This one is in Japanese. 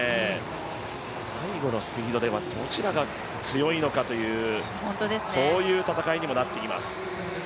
最後のスピードではどちらが強いのかという戦いにもなってきます。